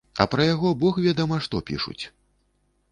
А пра яго бог ведама што пішуць.